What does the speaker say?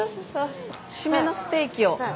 シメのステーキを。